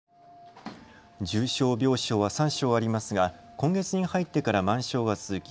重症病床は３床ありますが今月に入ってから満床は続き